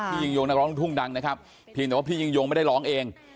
ยิ่งยงนักร้องลูกทุ่งดังนะครับเพียงแต่ว่าพี่ยิ่งยงไม่ได้ร้องเอง